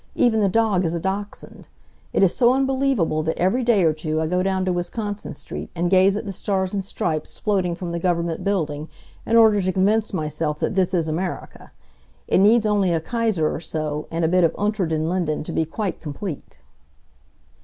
Even the dog is a dachshund. It is so unbelievable that every day or two I go down to Wisconsin Street and gaze at the stars and stripes floating from the government building, in order to convince myself that this is America. It needs only a Kaiser or so, and a bit of Unter den Linden to be quite complete.